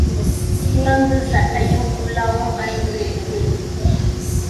குரங்கு, சட் டையும் குல்லாவும் அணிந்திருந்தது.